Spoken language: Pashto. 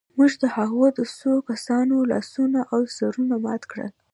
موږ د هغوی د څو کسانو لاسونه او سرونه مات کړل